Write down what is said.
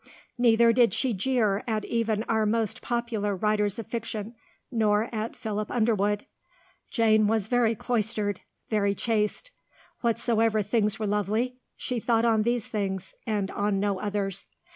Neither did she jeer at even our most popular writers of fiction, nor at Philip Underwood. Jane was very cloistered, very chaste. Whatsoever things were lovely, she thought on these things, and on no others.